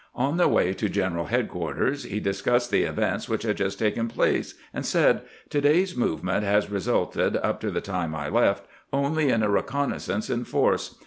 On the way to general headquarters he discussed the events which had, just taken place, and said :" To day's movement has re sulted, up to the time I left, only in a reconnaissance in force.